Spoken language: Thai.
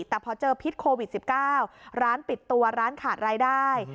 แต่พอเจอพิษโควิด๑๙ร้านปิดตัวร้านขาดรายได้